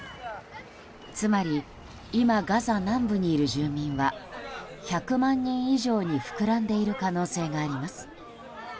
つまり、今ガザ南部にいる住民は１００万人以上に膨らんでいる可能性があります。